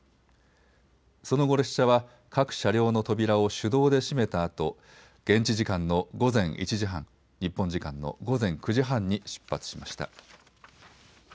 その後列車は各車両の扉を手動で閉めたあと、現地時間の午前１時半、日本時間の午前９時半に出発しました。